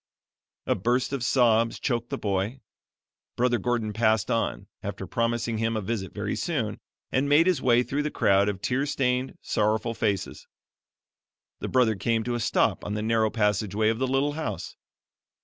A burst of sobs choked the boy; Brother Gordon passed on, after promising him a visit very soon, and made his way through the crowd of tear stained, sorrowful faces. The Brother came to a stop on the narrow passageway of the little house.